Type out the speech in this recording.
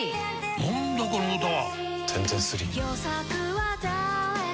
何だこの歌は！